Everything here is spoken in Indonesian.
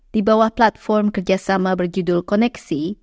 di bawah platform kerjasama berjudul koneksi